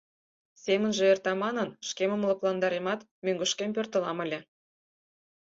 Семынже эрта манын, шкемым лыпландаремат, мӧҥгышкем пӧртылам ыле.